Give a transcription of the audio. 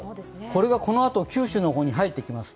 これがこのあと九州の方に入ってきます。